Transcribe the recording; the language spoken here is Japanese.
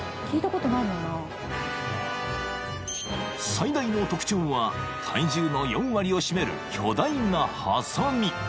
［最大の特徴は体重の４割を占める巨大なハサミ］